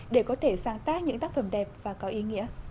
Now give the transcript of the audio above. để có thể sáng tác những tác phẩm đẹp và có ý nghĩa